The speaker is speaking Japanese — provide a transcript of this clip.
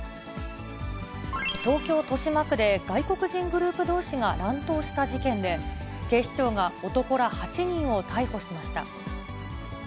東京・豊島区で外国人グループどうしが乱闘した事件で、警視庁が男ら８人を逮捕しました。